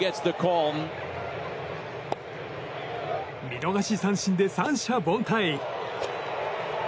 見逃し三振で三者凡退。